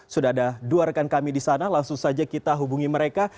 sudah ada dua rekan kami di sana langsung saja kita hubungi mereka